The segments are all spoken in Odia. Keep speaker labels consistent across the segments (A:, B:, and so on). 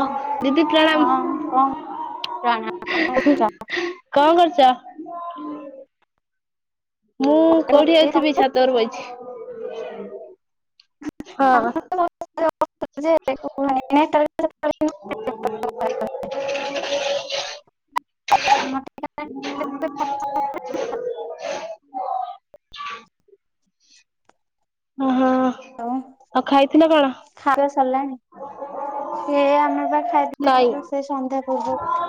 A: ହ ଦିଦି
B: ହଁ
A: ପ୍ରଣାମ
B: କଣ ଖାଇବା
A: କଣ କରୁଛ? ମୁଁ କୋଉଠି ଯଉଥିବି ଛାତର ବଇଛି ହଁ। [inaudible] [inaudible] [inaudible] [inaudible] [unintelligible]
B: ଆଉ
A: ଆଉ ଖାଇଥିଲ କଣ?
B: ଖାଇବା ସରିଲାଣି ସେ ଆମେ ବା ଖାଇ
A: ନାଇଁ।
B: ଦେଇେଇଥିଲୁ ସେ ସନ୍ଧ୍ୟା ପୂର୍ବରୁ।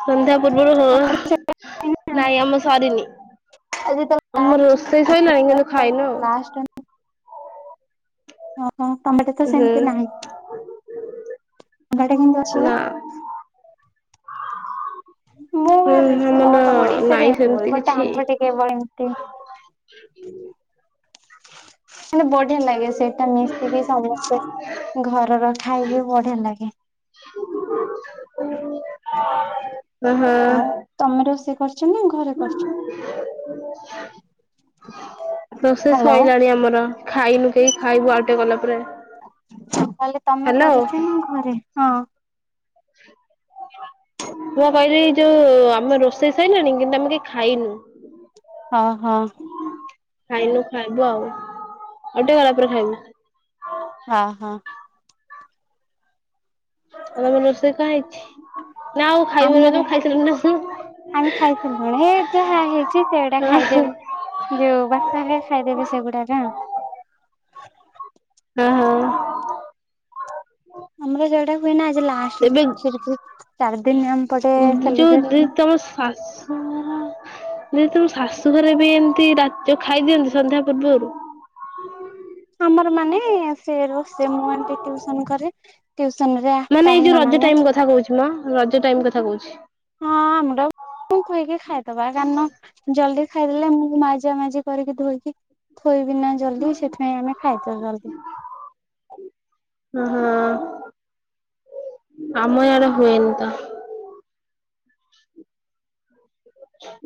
A: ସନ୍ଧ୍ୟା ପୂର୍ବରୁ ନାଇଁ ଆମର ସରିନି।
B: ଆଜି ତ
A: ଆମର ରୋଷେଇ ସରିଲାଣି କିନ୍ତୁ ଖାଇନୁ ଆଉ।
B: ହଁ। ହଁ [unintelligible] ତ
A: ହୁଁ।
B: ସେମିତି ନାହିଁ। ଇଆଡେ କିନ୍ତୁ ଅଛି ପା।
A: ନା
B: ମୁଁ
A: ହୁଁ
B: ଭାବେ
A: ଆମର
B: ଅଲ ଓଡିଶାରେ
A: ନାଇଁ
B: ଏମିତି ହୁଏ।
A: ସେମିତି
B: ବଟ
A: କିଛି।
B: ଆମଠି କେବଳ ଏମତି ମାନେ ବଢିଆ ଲାଗେ ସେଇଟା ମିଶିକି ସମସ୍ତେ ଘରର ଖାଇବେ ବଢିଆ ଲାଗେ।
A: ଓହୋ।
B: ଆଉ ତମର। [unintelligible] [unintelligible] ଘରେ କରିଛ।
A: [inaudible] ରୋଷେଇ
B: ହ୍ୟାଲୋ।
A: ସଇଲାଣି ଆମର। ଖାଇନୁ କେହି ଖାଇବୁ ଆଉ ଟିକେ ଗଲା ପରେ।
B: ତାହେଲେ ତମେ
A: ହ୍ୟାଲୋ।
B: କରିଛ ନା ଘରେ? ହଁ
A: ମୁଁ କହିଲି ଯୋଉ ଆମ ରୋଷେଇ ସାଇଲାଣି କିନ୍ତୁ ଆମେ କେହି ଖାଇନୁ।
B: ହଁ
A: ଖାଇନୁ ଖାଇବୁ ଆଉ। ଆଉ ଟିକେ ଗଲା ପରେ ଖାଇବୁ।
B: ହଁ ହଁ।
A: ତମର ରୋଷେଇ କଣ ହେଇଛି? ନା ଆଉ ଖାଇବୁନି
B: ଆମର
A: ତମେ ଖାଇସାରିଲଣି ନା କଣ?
B: ଆମେ ଖାଇସାରିଲୁଣି ଏ ଯାହା ହେଇଛି ସେଗୁଡା
A: ହଁ
B: ଖାଇଦେବେ ଯୋଉ ବାପା ହେରିକା ଖାଇଦେବେ ସେଗୁଡା ନା
A: [inaudible]
B: ଆମର ଯୋଉଟା ହୁଏ ନା ଆ
A: ଏବେ
B: ଦିନ ଆମ ପଟେ
A: ଯୋଉ ଦିଦି
B: ସେଲିବ୍ରେସନ
A: ତମ ଶାଶୁ ଯେ ତମ ଶାଶୁ ଘରେ ବି ଏମିତି ଖାଇଦିଅନ୍ତି ସନ୍ଧ୍ୟା ପୂର୍ବରୁ।
B: ଆମର ମାନେ ସେ ରୋଷେଇ ମୁଁ ଏମିତି ଟ୍ୟୁସନ୍ କରେ। ଟିଉସନ ରେ ଆଠଟା
A: ମାନେ ଏଇ ଯୋଉ
B: ହେଲା
A: ରଜ
B: ମାନେ
A: ଟାଇମ କଥା କହୁଛି ମ ରଜ ଟାଇମ କଥା କହୁଛି।
B: ହଁ ଆମର [unintelligible] ଖାଇଦବା କାରଣ ଖାଇଦେଲେ ମୁଁ ମାଜା ମାଜି କରିକି ଧୋଇକି ଥୋଇବି ବିନା ଜଲଦି ସେଥିପାଇଁ ଆମେ ଖାଇଦଉ ଜଲଦି।
A: ହଁ ଆମର ଇଆଡେ ହୁଏନି ତ।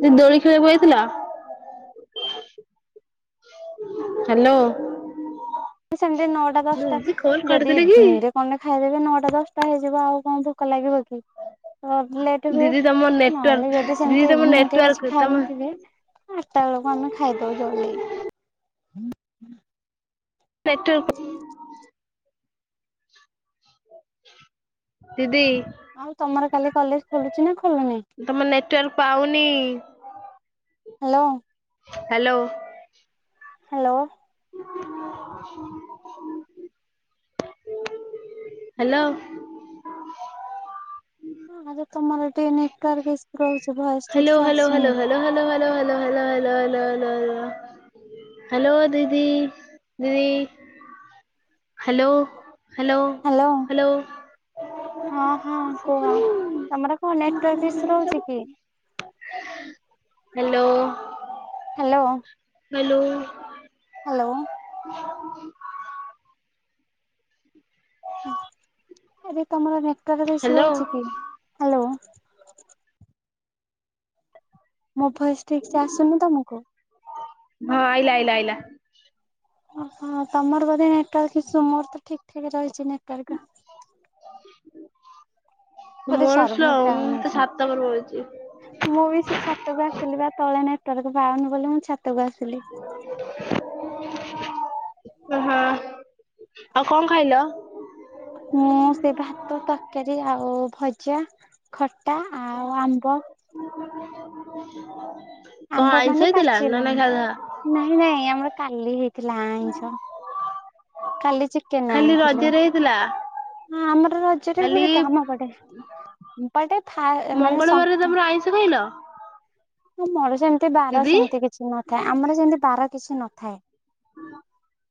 A: ସେ ଦୋଳି ଖେଳିବାକୁ ଯଇଥିଲା [inaudible] ହ୍ୟାଲୋ
B: ସେମିତି ନଅଟା ଦଶଟା
A: ଦିଦି କଲ୍
B: ଯଦି
A: କରିଦେଲେ କି?
B: ନିରେ କଣରେ ଖାଇଦ ଏବେ ନଅଟା ଦଶଟା ହେଇଯିବ ଆଉ କଣ ଭୋକ ଲାଗିବ କି? ଲେଟ ହୁଏ
A: ଦିଦି ତମ ନେଟୱାର୍କ
B: ନହେଲେ ଯଦି
A: ଦିଦି
B: ସେମତି
A: ତମ
B: ଇଭିନିଂ ଟ
A: ନେଟୱାର୍କ
B: କିଛି
A: ତମ
B: ଖାଇନଥିବେ ଆଠଟା ବେଳକୁ ଆମେ ଖାଇଦଉ ଜଲଦି। ହୁଁ ହଁ।
A: ନେଟୱାର୍କ [inaudible] ଦିଦି
B: ଆଉ ତମର କାଲି କଲେଜ ଖୋଲୁଛି ନା ଖୋଲୁନି।
A: ହଁ
B: ହ୍ୟାଲୋ।
A: ହ୍ୟାଲୋ।
B: ହ୍ୟାଲୋ।
A: [unintelligible] ହ୍ୟାଲୋ।
B: ହଁ ତମର ନେଟୱାର୍କ ଈସୁ ରହୁଛି। ଭଏସ
A: ହ୍ୟାଲୋ
B: ଠିକ ସେ
A: ହ୍ୟାଲୋ
B: ଆସୁନି
A: hello hello hello hello. Hello hello hello hello hello hello hello ଦିଦି ଦିଦି। ହ୍ୟାଲୋ
B: ହ୍ୟାଲୋ ହଁ ହଁ କୁହ ତମର କଣ ନେଟୱାର୍କ ଈସୁ ରହୁଛି କି?
A: ହ୍ୟାଲୋ।
B: ହ୍ୟାଲୋ।
A: ହ୍ୟାଲୋ।
B: ହ୍ୟାଲୋ।
A: [unintelligible]
B: ଆରେ ତମର ନେଟୱାର୍କ ଈସୁ
A: ହ୍ୟାଲୋ
B: ରହୁଛି କି ହ୍ୟାଲୋ। ମୋ ଭୟସ ଠିକ ସେ ଆସୁନି ତମକୁ?
A: ହଁ ଆଇଲା ଆଇଲା ଆଇଲା
B: ଓହୋ ତମର ବଧେ ନେଟୱାର୍କ ମୋର ତ ଠିକ ଠିକ ରହିଛି ନେଟୱାର୍କ।
A: [unintelligible]
B: ମତେ
A: ମୋର ସ୍ଲୋ
B: ସରଭର
A: ମୁଁ ତ
B: ଯାଉନଛି
A: ସାତ ନମ୍ବର ପଡୁଛି
B: ମୁଁ ବି ସେ ଛାତକୁ ଆସିଲି ବା ତଳେ ନାଇ ତାକୁ ପାଉନ ବୋଲି ମୁଁ ଛାତ
A: ଓହୋ ଆଉ କଣ ଖାଇଲ?
B: ମୁଁ ସେ ଭାତ ତରକାରୀ ଆଉ ଭଜା ଖ ଖଟା ଆଉ ଆମ୍ବ।
A: [unintelligible]
B: ଆମ୍ବ
A: ଆଇଁଷ
B: ମାନେ
A: ହେଇଥିଲା ନା
B: ପାଚିଲା
A: ନାଇଁ ସାଧା
B: ଆମ୍ବ ନାଇଁ ନାଇଁ ଆମର କାଲି ହେଇଥିଲା ଆଇଁସ। କାଲି ଚିକେନ
A: ଖାଲି
B: ଆଣିଥିଲୁ
A: ରଜରେ ହେଇଥିଲା
B: ଆମର ରଜରେ
A: କାଲି
B: ହୁଏ ତ ଆମପଟେମାନେ
A: ମଙ୍ଗଳବାରରେ
B: ଶଙ୍ଖା
A: ତମର ଆଇଁଷ ଖାଇଲ
B: ମର। ଏତେ ବାର
A: ଦିଦି
B: ସେମିତି କିଛି ନଥାଏ ଆମର ଯେମିତି ବାର କିଛି ନଥାଏ। ଥାଏଁ।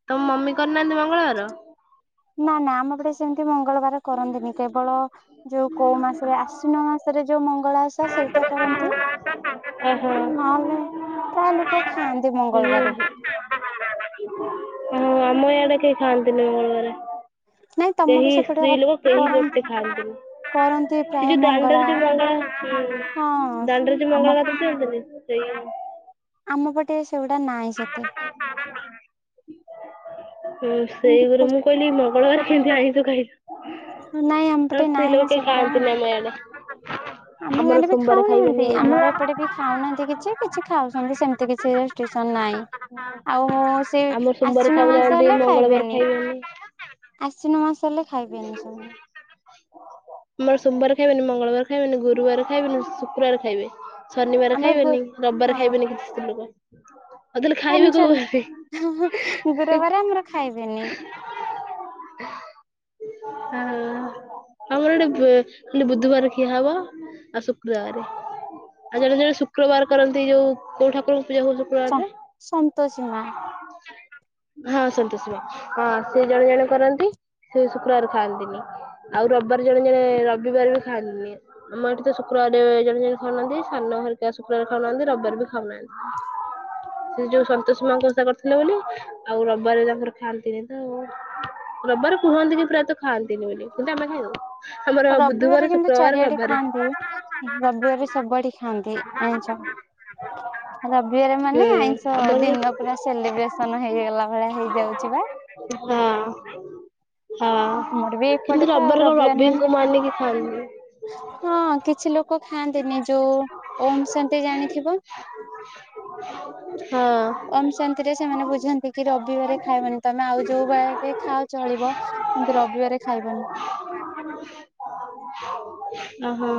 A: ତମ ମମି କରିନାହାନ୍ତି [unintelligible]
B: ନା ନା ଆମପଟେ ସେମିତି ନାଇ ମଙ୍ଗଳବାର କରନ୍ତିନି କେବଳ ଯୋଉ କୋଉ ମାସରେ ଆଶ୍ଵିନ ମାସରେ ଯୋଉ ମଙ୍ଗଳ ଓଷା ସେଇଟା କରନ୍ତି
A: ଓହୋ
B: ନହେଲେ ପ୍ରାୟ ଲୋକ ଖାଆନ୍ତି ମଙ୍ଗଳବାର ବି।
A: ଓ ହୋ ଆମ ଇଆଡେ କେହି ଖାଆନ୍ତିନି ମଙ୍ଗଳବାରେ।
B: ନାଇଁ
A: କେହି
B: ତମର ସେପଟେ
A: ସ୍ତ୍ରୀ ଲୋକ କେହି
B: କରନ୍ତି।
A: ଗୋଟେ
B: କରନ୍ତି
A: ଖାଆନ୍ତିନି ସେ
B: ପ୍ରାୟ
A: ଯୋଉ
B: ମଙ୍ଗଳା
A: ଦାଣ୍ଡରେ ଯୋଉ ମଙ୍ଗଳା
B: ହଁ
A: ଦାଣ୍ଡରେ ଯୋଉ
B: ଆମ
A: ମଙ୍ଗଳା କଥା ଶଥିଲେ। ସେଇୟା।
B: ଆମ ପଟେ ସେଗୁଟା ନାହିଁ ସେତେ।
A: ହ
B: ଏମିତି
A: ସେଇଗରୁ ମୁଁ କହିଲି ମ। ବ [inaudible] କେମିତି ଆଇ ତୁ ଖାଇୁ
B: ନାଇଁ ଆମ
A: ଆ
B: ପଟେ
A: ସ୍୍ରୀ
B: ନାଇଁ ନା
A: ଲୋକେ
B: ସେଗୁଡା।
A: ଖାଆନ୍ତିନ ଆମ ଆଡେ
B: ଆମ ଗାଲେ ବି ଖାଉନାହାନ୍ତି ଆମର ଏପଟେ ବି ଖାଉନାହାନ୍ତି କିଛି କିଛି ଖାଉ ସେମିତି କିଛି ନାଇଁ ଆଉ
A: ଆମର ସୋମବାର
B: ସେଆଶ୍ୱିନ ମାସ
A: ଖାଉନାହାନ୍ତି
B: ହେଲେ
A: ମଙ୍ଗଳବାର
B: ଖାଇବେନି ଆଶ୍ୱିନ ମାସ। ଲେ ଖାଇବେନି ସେମାନେ
A: ଆମର ସୋମବାର ଖାଇବେନି ମଙ୍ଗଳବାର ଖାଇବେନି ଗୁରୁବାର ଖାଇବେନି ଶୁକ୍ରବାର ଖାଇବେ। ଶନିବାର
B: ଆମର ଗୁ
A: ଖାଇବେନି ରବିବାର
B: ହଁ
A: ଖାଇବେନି କିଛି ସ୍ତ୍ରୀ ଲୋକ। ହ।
B: ଗୁରୁବାର ଆମର ଖାଇବେନି।
A: [inaudible] ହ ଆମର ଗୋଟେ ଖାଲି ବୁଧବାର ଖିଆ ହବ ଆଉ ଶୁକ୍ରବାର ଆଉ ଜଣେ ଜଣେ ଶୁକ୍ରବାର କରନ୍ତି ଯୋଉ କୋଉ ଠାକୁର
B: ସନ୍ତୋଷୀମା।
A: ହଁ ସନ୍ତୋଷୀ ମା ହଁ ସେିଏ ଜଣେ ଜଣେ କରନ୍ତି। ସେ ଶୁକ୍ରବାର ଖାଆନ୍ତିନି ଆଉ ରବିବାର ଜଣେ ଜଣେ ରବିବାର ବି ଖାଆନ୍ତିନି ଆମ ଏଠି ତ ଶୁକ୍ରବାର ଜଣେ ଜଣେ ଖାଉନାହାନ୍ତି ସାନ ହରିକା ଶୁକ୍ରବାର ଖାଉନାହାନ୍ତି ରବାର ବି ଖାଉନାହାନ୍ତି। ସେ ଯୋଉ ସନ୍ତୋଷ ମା ଓଷା କରିଥିଲେ ବୋଲି। ଆଉ ରବାର ତାଙ୍କର ଖାଆନ୍ତିନି ତ ରବାର ଆମର ବୁଧବାର
B: ରବିବାର କିନ୍ତୁ
A: ଶୁକ୍ରବାର
B: ଚାରିଆଡେ
A: ରବିବାରେ
B: ଖାଆନ୍ତି ରବିବାର ସବୁଆଡେ ଖାଆନ୍ତି ଆଇଁଷ ରବିବାର
A: ହୁଁ
B: ମାନେ ଆଇଁଷ
A: ଆମର
B: ଦିନ ପୁରା ସେଲିବ୍ରେସନ ହେଇଗଲା। ଭଳିଆ ହେଇଯାଉଛି
A: ହଁ। ହଁ
B: ମୋର ବି
A: କିନ୍ତୁ
B: ଏପଟେ ତ ଆଉ
A: କଣ
B: ରବିବାର ମାନେ
A: ରବିଙ୍କୁ ମାନିକି ଖାଆନ୍ତି।
B: ହଁ କିଛି ଲୋକ ଖାଆନ୍ତିନି ଯୋଉ ଓଁ ଶାନ୍ତି ଜାଣିଥିବ।
A: ହଁ
B: ଓମଶାନ୍ତିରେ, ସେମାନେ ବୁଝନ୍ତି କି ରବିଵାରେ ଖାଇବନି। ତମେ ଆଉ ଯୋଉ ଵାରରେ ଖାଉଛ ଚଳିବ, କିନ୍ତୁ ରବିବାରେ ଖାଇବନି।
A: ଓ ହୋ,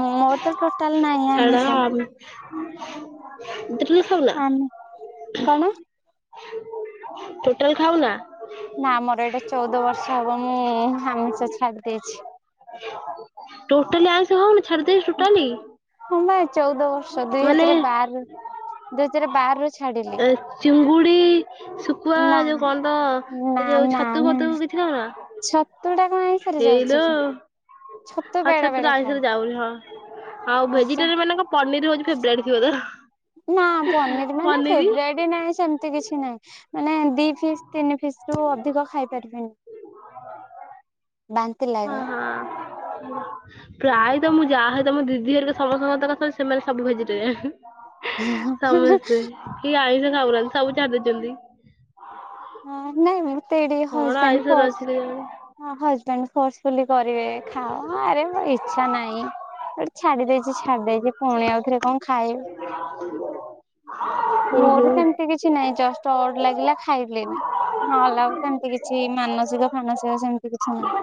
B: ମୋର ତ ଟୋଟାଲ ନାହିଁ ଆମିଷ।
A: ହଁ ଟୋଟାଲ ଖାଉନା?
B: ଆମେ କଣ
A: ଟୋଟାଲ ଖାଉନା?
B: ନା, ଆମର ଏଇଟା ଚଉଦ ବର୍ଷ ହବ ମୁଁ ଆମିଷ ଛାଡି ଦେଇଛି।
A: ହହୁନ ଛାଡି ଦେଇଛୁ ଟୋଟାଲି
B: ହଁ ବା ଚଉଦ ବର୍ଷ ଦୁଇ
A: ମାନେ
B: ହଜାର ବାର ଦୁଇ ହଜାର ବାର ରୁ ଛାଡିଲି
A: ଏ ଚିଙ୍ଗୁଡି, ସୁ ହବା
B: ନା
A: ଯୋଉ କଣ ତ ଯୋଉ ଛତୁ ଫତୁ କିଛି ଖାଅନା?
B: ଛ ଛତୁ ଟା କଣ ଆମିଷ ରେ ଯାଉଛି କି? ଛତୁ
A: ହଁ
B: ବେଳେ
A: ଛତୁଟା
B: ବେଳେ
A: ଆଁଇଷରେ
B: ଖାଏ
A: ଯାଉନି ହଁ, ଆଉ
B: ଏଇଟା
A: ଭେଜିଟେରିଏନ ମାନଙ୍କ ପନିର ପନିର [unintelligible]
B: ନା, ପନିର ମାନେ ଫେବ୍ରେଟ ନାହିଁ, ସେମିତି କିଛି ନାହିଁ। ମାନେ ଦି ଫିସ୍ ତିନି ଫିସ ରୁ ଅଧିକ ଖାଇ ପାରିବିନି। ବାନ୍ତି
A: ହଁ
B: ଲାଗେ।
A: ହଁ ପ୍ରାୟତଃ, ମୁଁ ଯାହା ହୁଏତ ମୋ ଦିଦି ହେରିକା ସମସ୍ତଙ୍କ କ ସେମାନେ ସବୁ ଭେଜିଟେରିଆନ। ସମସ୍ତେ, କି ଆଇଁ ସବୁଗୁଡ଼ା ସବୁ ଛାଡି ଦେଇଛନ୍ତି
B: ହଁ ନାଇଁ ଏମିତି ଟିକେ
A: କଣ
B: ହଜବଣ୍ଡ
A: ଆଇଁଷରେ
B: ଫୋର୍ସ
A: ଅଛି କେଜାଣି
B: ହଁ ହଜବଣ୍ଡ ଫୋର୍ସ କୁଲି କରିବେ ଖାଅ ଆରେ ମ ଇଚ୍ଛା ନାହିଁ ଛାଡି ଦେଇଛି ଛାଡି ଦେଇଛି ପୁଣି ଆଉଥରେ କଣ ଖାଇବ
A: ଓହୋ।
B: ମୋର ସେମତି କିଛି ନାହିଁ ଜଷ୍ଟ ଅଡ ଲାଗିଲା ଖାଇ [unintelligible] ସେମିତି କିଛି ମାନସିର ଫାନସିର ସେମତି କିଛି ନାହିଁ।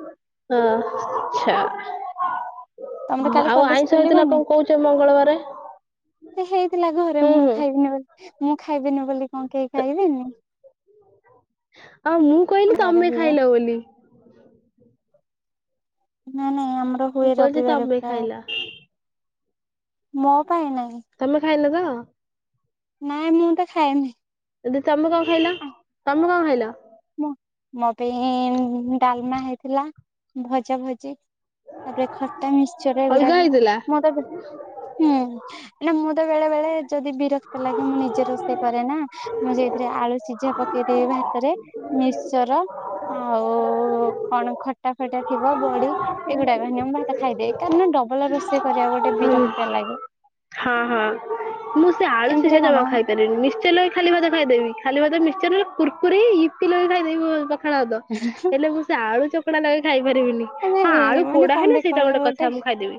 A: ହଁ, ଅଚ୍ଛା।
B: ତମର କାଲି କଲେଜ ଖୋଲିବନି?
A: ମଙ୍ଗଳବାରେ
B: ହେଇଥିଲା ଘରେ
A: ହୁଁ
B: ମୁଁ
A: ହୁଁ।
B: ଖାଇବିନି ବୋଲି ମୁଁ ଖାଇବିନ ବୋଲି କଣ କେହି ଖାଇବେନି।
A: ଆଉ ମୁଁ କହିଲି,
B: ରବିବାରେ
A: ତମେ
B: ହୁଏ
A: ଖାଇଲ ବୋଲି।
B: ନା ନା ଆମର
A: ମୁଁ
B: ହୁଏ
A: କହୁଛି
B: ରବିବାର
A: ତମେ
B: ପ୍ରାଏ।
A: ଖାଇଲ।
B: ହଁ
A: ତମେ ଖାଇନ ତ? ହଁ
B: ନାଇଁ ମୁଁ ତ ଖାଏନି
A: [unintelligible] ତମେ କଣ ଖାଇଲ ତମ କଣ ଖାଇଲ ହେଲୋ
B: ମୁଁ ମୋ ପାଇଁ ଡାଲମା ହେଇଥିଲା ଭଜା ଭଜି ତାପରେ ଖଟା ମିକ୍ସଚର
A: ଅଲଗା
B: ଏଗୁଡାକ
A: ହେଇଥିଲା।
B: ମୁଁ ତ ହୁଁ ହେଲେ ମୁଁ ତ ବେଳେବେଳେ ଯଦି ବିରକ୍ତ ଲାଗେ ମୁଁ ନିଜେ ରୋଷେଇ କରେ ନା ମୁଁ ସେଥିରେ ଆଳୁ ସିଝା ପକେଇଦେବି ଭା - ତରେ ନିଶ୍ଚର ଆଉ କଣ ଖଟା ଫଟା ଥିବ ବଡି ଏଗୁଡାକ ମୁଁ ଭାତ ଖାଇଦେ କାରଣ ଡବଲ ରୋଷେଇ କରିବାକୁ ଗୋଟେ
A: ହୁଁ
B: ବିରକ୍ତିଆ ଲାଗେ।
A: ହଁ ହଁ ମୁଁ ସେ ଆଳୁ
B: ଏମିତିରେ
A: ସିଝା
B: କଣ
A: ଜମା ଖାଇପାରିନି ମିଶ୍ଚଚ ଲଗେଇ ଖାଲି ଭାତ ଖାଇଦେବି। ଖାଲି ଭାତ ମଶ୍ଚର ନହେଲେ କୁରକୁରି ଇପି ଲଗେଇ ଖାଇଦେବୁ [unintelligible] ଖାଳ ଭାତ ହେଲେ ମୁଁ ସେ ଆଳୁ ଚକଡ଼ା ଲଗେଇ ଖାଇ ପାରିବିନି। ହଁ ଆଳୁ
B: ନାଇଁ ମାନେ
A: ପୋଡା ହେଲେ
B: କଣଦେ
A: ସେଇଟା
B: କହିଲ
A: କଥା
B: ଗୋଟେ
A: ମୁଁ ଖାଇଦେବି।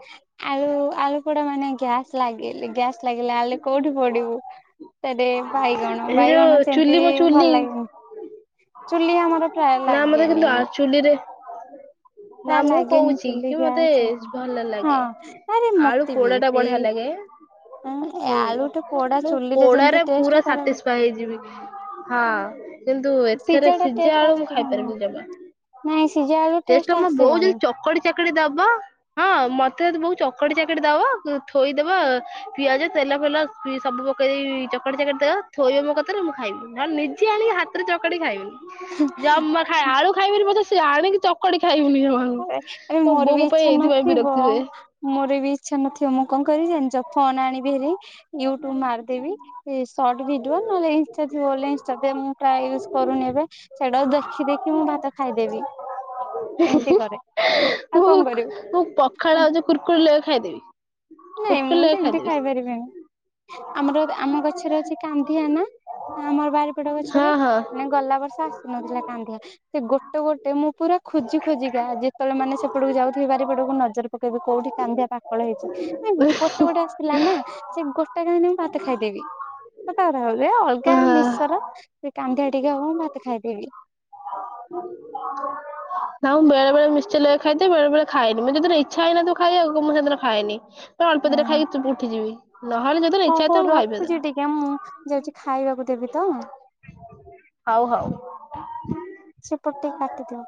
B: ଆଳୁ ଆଳୁ ପୋଡା ମାନେ ଗ୍ୟାସ୍ ଲାଗେ ଗ୍ୟାସ୍ ଲାଗିଲି ଆଲୁ କୋଉଠି ପଡିବୁ ସେଠି ବାଇଗଣ
A: ଏ ଯୋଉ
B: ବାଇଗଣ ସେମିତି
A: ଚୁଲି ମୋ
B: ଭଲ
A: ଚୁଲି
B: ଲାଗେନି। ଚୁଲି ଆମର ପ୍ରାୟ
A: ନା ମତେ କିନ୍ତୁ
B: ଲାଗେନି।
A: ଆ [unintelligible] ନା
B: ପ୍ରାୟ
A: ମୁଁ
B: ଲାଗେନି
A: କହୁଛି
B: ଚୁଲି
A: କି ମତେ
B: ଗ୍ୟାସ୍ ଅଧିକ
A: ଭଲ
B: ହଁ
A: ଲାଗେ
B: ଆରେ
A: ଆଳୁ
B: ମତେ ବି
A: ପୋଡା ଟା ବଢିଆ
B: ସେଇ
A: ଲାଗେ
B: ଉଁ
A: ହୁଁ
B: ଆଳୁ ଟା ପୋଡା
A: ମୁଁ
B: ଚୁଲିରେ ଯେମିତି
A: ପୋଡାରେ ପୁରା
B: ଟେଷ୍ଟ ତାର
A: ସାଟିସ ଫାଏ ହେଇଯିବି ହଁ କିନ୍ତୁ ଏଥିରେ ସିଝା ଆଳୁ ମୁଁ ଖାଇପାରିବିନି
B: [unintelligible] ନାଇଁ
A: ଜମା।
B: ସିଝା ଆଳୁ
A: ଟେଷ୍ଟ
B: ଟେଷ୍ଟେ
A: ବୋଉ ଜଦି ଚକଡି ଚକଡି ଦବା ହଁ ମତ ଏତ ବୋ ଚକଟି ଚାକଟି ଦବ ଥୋଇଦବ ପିଆଜ ତେଲ ଫେଲ ସବୁ ପକେଇ ଦେଇ ଚକଟି ଚାକେଟି ଦେବ ଥୋଇବ ମୋ କତିରେ ମୁଁ ଖାଇବି ନହେଲେ ନିଜେ ଆଣିକି ହାତରେ ଚକଟି ଖାଇବିନି। ଜମା ଖାଇ ଆଳୁ ଖାଇବି ପଛେ ସେ ଆଣିକି ଚକୁଳି ଖାଇ-
B: ଏ ମୋର ବି ଇଚ୍ଛା
A: ଏଇଥିପାଇଁ
B: ନଥିବ
A: ବିରକ୍ତି ହୁଏ।
B: ମୋର ବି ଇଚ୍ଛା ନଥିବ ମୁଁ କଣ କରିବି ଜାଣିି- ଫୋନ ଆଣିବି ହେରି ୟୁଟ୍ୟୁବ ମାରିଦେବି ସର୍ଟ ଭିଡିଓ ନହେଲେ ଇ- [unintelligible] ମୁଁ ଟା ୟୁଜ କରୁନି ଏବେ ସେଇଟା ଦେଖି ଦେଖି ମୁଁ ଭାତ ଖାଇଦେବି
A: ହ
B: ଏମିତି
A: [unintelligible]
B: କରେ ଆଉ
A: ମୁଁ
B: କଣ କରିବୁ
A: ମୁଁ ପଖାଳ ଆଉ ଯୋଉ କୁର କୁରି ଲଗେଇ ଖାଇଦେବି
B: ନାଇଁ
A: କୁୁରକୁରି
B: ମୁଁ
A: ଲେଗେଇ
B: ସେମିତି
A: ଖାଇଦେବି।
B: ଖାଇପାରିବିନି। ଆମର ଏକା। ଆମ ଗଛରେ ଅଛି କାନ୍ନ୍ଦିଆ ନା ଆମର ବାରିପଟ ଗଛରେ
A: ହଁ ହଁ।
B: ମାନେ ଗଲା ବର୍ଷ ଆସିନଥିଲା କାନ୍ନ୍ଦିଆ। ସେ ଗୋଟେ ଗୋଟେ ମୁଁ ପୁରା ଖୋଜି ଖୋଜି। ଯାହା ଯେତଳେ ମାନେ ସେପଟୁକୁ ଯାଉଥିବ ବାରିପଟକୁ ନଜର ପକେଇବି କୋଉଠି କାନ୍ଧିଆ ପାଖଳ ହେଇଚି। ଏଁ ଗୋଟେ ଗୋଟେ ଆସିଲା ନାଁ ସେ ଗୋ ଟେ କୁ ନଗେଇ ମୁଁ ଭାତ ଖାଇଦେବି ସତ କଥା କଇଲି ଏ ଆଉ। କା
A: ହଁ।
B: ମିଶ୍ଚର ସେ କାନ୍ଧିଆ ଟିକେ ହବ ମୁଁ ଭାତ ଖାଇଦେବି।
A: ନାଁ ମୁଁ ବେଳେ ବେଳେ ମିଶ୍ଚର ଲଗେଇ ଖାଇଦିଏ ବେଳେ ବେଳେ ଖାଏନି। ମୁଁ ଯୋଉ ଦିନ ଇଚ୍ଛା ହେଇନଥିବ ଖାଇଆକୁ ମୁଁ ସେଦିନ ଖାଏନି। କୁ ଅଳ୍ପ ଦିଟା
B: ଓହୋ
A: ଖାଇକି ଚୁପ ଉଠିଯିବି ନହେଲେ ଯୋଉଦିନ
B: ହଉ
A: ଇଚ୍ଛା
B: ହଉ
A: ହେଇଥିବ ମୁଁ ଖାଇବି
B: ରଖୁଛି
A: ହେଦିନ।
B: ଟିକେ ମୁଁ ଯାଉଛି ଖାଇବାକୁ ଦେବି ତ
A: ହଉ ହଉ।
B: ସେପଟୁ ଟିକେ କାଟିଦିଅ।